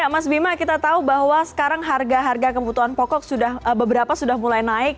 mas bima kita tahu bahwa sekarang harga harga kebutuhan pokok beberapa sudah mulai naik